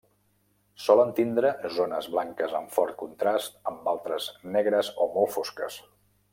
Solen tindre zones blanques amb fort contrast amb altres negres o molt fosques.